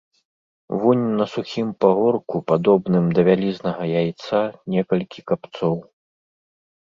Вунь на сухім пагорку, падобным да вялізнага яйца, некалькі капцоў.